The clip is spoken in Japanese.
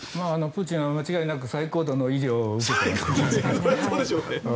プーチンは間違いなく最高度の医療を受けていますよ。